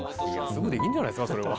すぐできるんじゃないですかそれは。